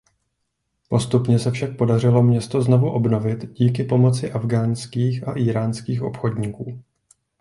Postupně se však podařilo město znovu obnovit díky pomoci afghánských a íránských obchodníků.